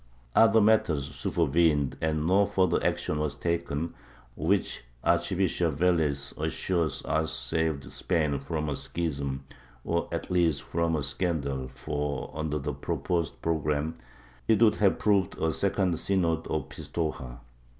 Other matters super vened and no further action w^as taken, which Archbishop Velez assures us saved Spain from a schism, or at least from a scandal for, under the proposed program, it w^ould have proved a second Synod of Pistoja.